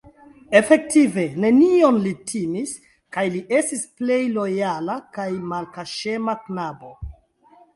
Efektive nenion li timis kaj li estis plej lojala kaj malkaŝema knabo.